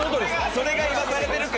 それが言わされてる感。